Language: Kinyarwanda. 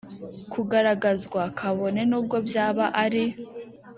kugaragazwa kabone n ubwo byaba ari